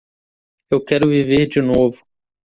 Eu quero viver de novo.